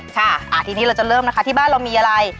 ค่ะทีนี้เราจะเริ่มนะคะที่บ้านเรามีอะไร